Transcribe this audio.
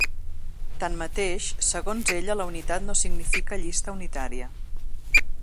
Tanmateix, segons ella la unitat no significa llista unitària.